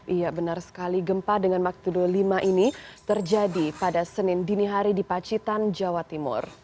iya benar sekali gempa dengan magtude lima ini terjadi pada senin dini hari di pacitan jawa timur